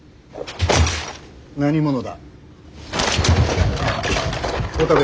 何者だ。